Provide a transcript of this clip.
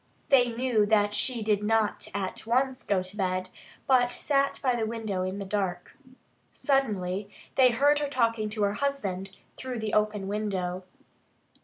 They knew that she did not at once go to bed, but sat by the window in the dark. Suddenly they heard her talking to her husband through the open window.